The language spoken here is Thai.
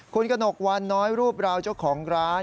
คุณกระหนกวันน้อยรูปราวเจ้าของร้าน